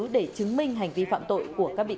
để chứng minh hành vi phạm tội của các bị can